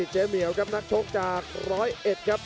เหมียวครับนักชกจากร้อยเอ็ดครับ